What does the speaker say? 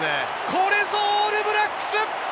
これぞオールブラックス！